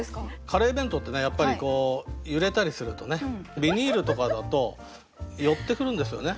カレー弁当ってねやっぱり揺れたりするとねビニールとかだと寄ってくるんですよね